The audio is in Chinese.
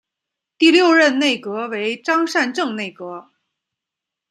第六任内阁为张善政内阁。